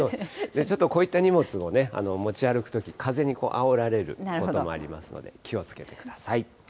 ちょっとこういった荷物を持ち歩くとき、風にあおられることもありますので、気をつけてください。